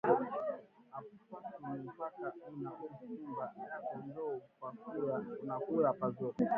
Apatu ni paka una uza nyumba yako njo unakuya pazuri